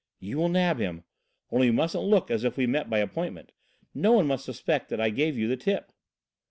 "You will nab him. Only we mustn't look as if we met by appointment. No one must suspect that I gave you the tip."